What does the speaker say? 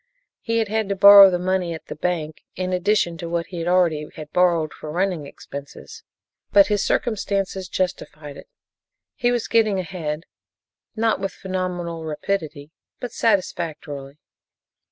He had had to borrow the money at the bank in addition to what he already had borrowed for running expenses, but his circumstances justified it. He was getting ahead, not with phenomenal rapidity, but satisfactorily.